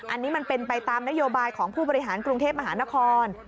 อันนี้มันเป็นไปตามนโยบายของผู้บริหารกรุงเทพมหานคร